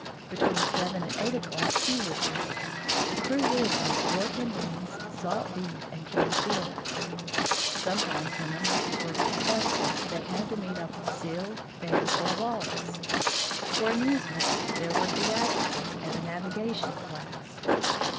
Between seven and eight o'clock tea was made. The crew lived on pork and beans, salt beef, and canned goods. Sometimes, when the hunters were successful, they had the meat of the seal, bear, or walrus. For amusements there were theatricals and a navigation class.